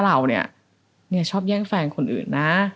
เราเนี่ยชอบแย่งแฟนคนอื่นนะ